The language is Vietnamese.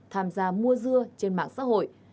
tham gia mua dưa trên mạng xã hội